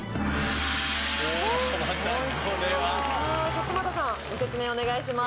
勝俣さんご説明お願いします。